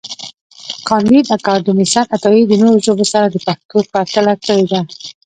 کانديد اکاډميسن عطایي د نورو ژبو سره د پښتو پرتله کړې ده.